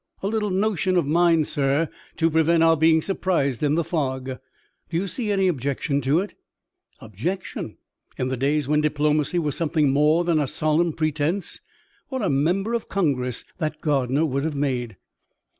A little notion of mine, sir, to prevent our being surprised in the fog. Do you see any objection to it?' Objection! In the days when diplomacy was something more than a solemn pretense, what a member of Congress that gardener would have made!